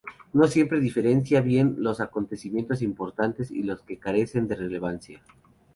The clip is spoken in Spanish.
No siempre diferencia bien los acontecimientos importantes y los que carecen de relevancia.